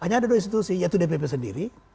hanya ada dua institusi yaitu dpp sendiri